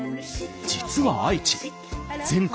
実は愛知全国